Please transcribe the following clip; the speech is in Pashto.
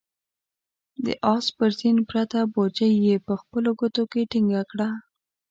د آس پر زين پرته بوجۍ يې په خپلو ګوتو کې ټينګه کړه.